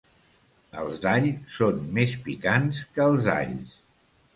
Els d'All són més picants que els alls.